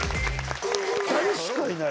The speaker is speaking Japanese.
２人しかいない？